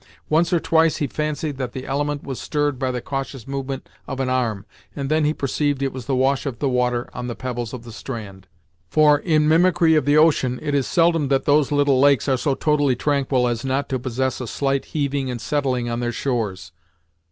Once or twice he fancied that the element was stirred by the cautious movement of an arm, and then he perceived it was the wash of the water on the pebbles of the strand; for, in mimicry of the ocean, it is seldom that those little lakes are so totally tranquil as not to possess a slight heaving and setting on their shores.